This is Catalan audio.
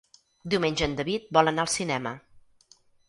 Diumenge en David vol anar al cinema.